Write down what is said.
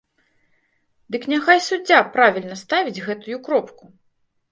Дык няхай суддзя правільна ставіць гэтую кропку!